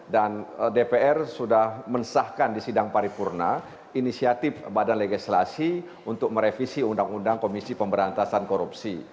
dan dpr sudah mensahkan di sidang paripurna inisiatif badan legislasi untuk merevisi undang undang komisi pemberantasan korupsi